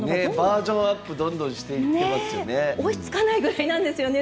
バージョンアップをどんどんしていっていますよね。